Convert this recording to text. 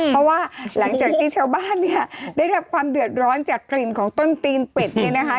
เพราะว่าหลังจากที่ชาวบ้านเนี่ยได้รับความเดือดร้อนจากกลิ่นของต้นตีนเป็ดเนี่ยนะคะ